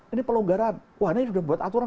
ini pelonggaran wahana ini sudah buat aturan